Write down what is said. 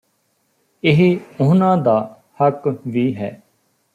ਇਹ ਉਨ੍ਹਾਂ ਦਾ ਹੱਕ ਵੀ ਹੈ